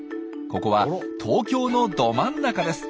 ここは東京のど真ん中です。